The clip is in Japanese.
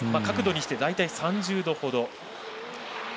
角度にして大体３０度ほど。